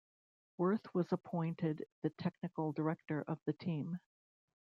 Wirth was appointed the technical director of the team.